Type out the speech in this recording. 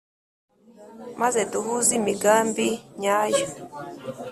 Maze duhuze imigambi nyayo